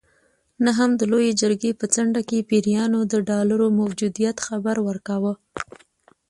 نه هم د لویې جرګې په څنډه کې پیریانو د ډالرو موجودیت خبر ورکاوه.